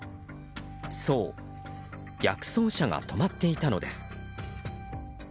そう、逆走車が止まっていたのです。